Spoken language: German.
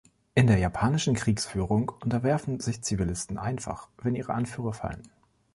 In der japanischen Kriegsführung unterwerfen sich Zivilisten einfach, wenn ihre Anführer fallen.